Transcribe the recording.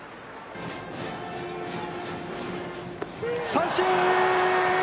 三振！